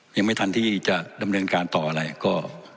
ยังไม่ทันที่จะดำเนินการต่ออะไรก็